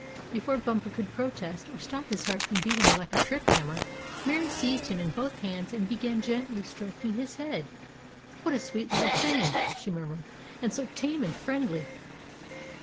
Before Bumper could protest or stop his heart from beating like a trip hammer, Mary seized him in both hands, and began gently stroking his head. "What a sweet little thing!" she murmured. "And so tame and friendly!"